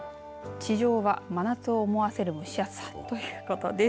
ただ、地上は真夏を思わせる蒸し暑さということです。